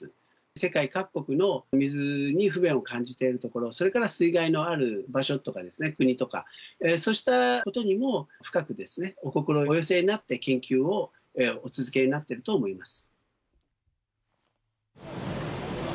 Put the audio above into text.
世界各国の水に不便を感じている所、それから水害のある場所とかですね、国とか、そうしたことにも深くお心をお寄せになって研究をお続けになっていると思います。